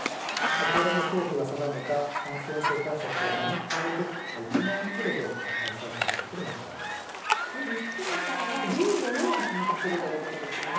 ポーランド政府が定めた感染症対策を守ったうえで１年遅れで開催されることに日本からは１４人が参加するということですよね。